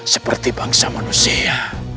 seperti bangsa manusia